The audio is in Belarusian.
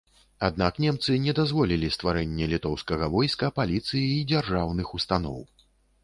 Аднак немцы не дазволілі стварэнне літоўскага войска, паліцыі і дзяржаўных устаноў.